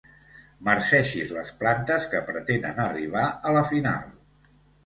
Marceixis les plantes que pretenen arribar a la final.